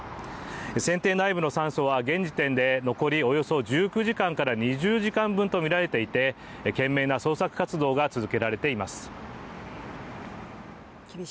船艇内部の酸素は現時点でおよそ１５時間から２０時間分とみられていて懸命な捜索活動が続けられています。